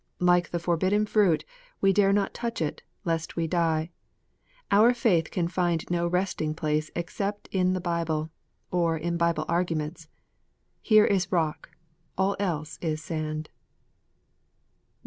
Like the forbidden fruit, we dare not touch it, lest we die. Our faith can find no resting place except in the Bible, or in Bible arguments. Here is rock : all else is sand.